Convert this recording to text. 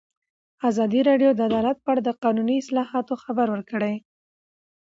ازادي راډیو د عدالت په اړه د قانوني اصلاحاتو خبر ورکړی.